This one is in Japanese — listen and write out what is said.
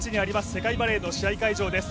世界バレーの試合会場です。